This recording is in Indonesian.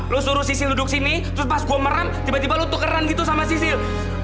lu suruh sisil duduk sini terus pas gue merem tiba tiba lu tukeran gitu sama sisil